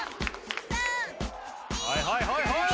はいはいはいはい！